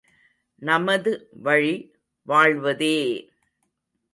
நமது வழி, வாழ்வதே!